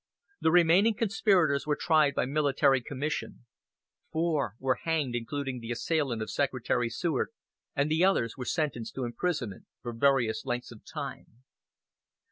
The remaining conspirators were tried by military commission. Four were hanged, including the assailant of Secretary Seward, and the others were sentenced to imprisonment for various lengths of time.